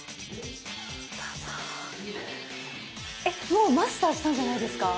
もうマスターしたんじゃないですか？